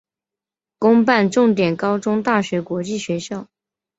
公办重点高中大学国际学校